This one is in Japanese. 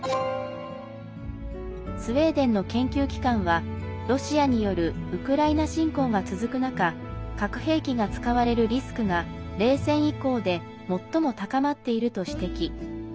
スウェーデンの研究機関はロシアによるウクライナ侵攻が続く中核兵器が使われるリスクが冷戦以降で最も高まっていると指摘。